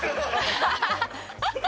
ハハハハ！